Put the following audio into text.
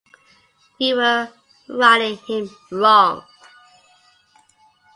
We were riding him wrong.